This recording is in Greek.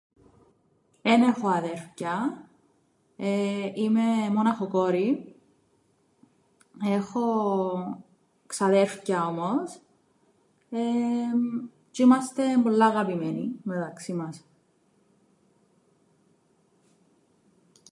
Εν έχω αδέρφκια, είμαι μοναχοκόρη. Έχω ξαδέρφκια όμως τζ̆αι είμαστεν πολλά αγαπημένοι μεταξύν μας.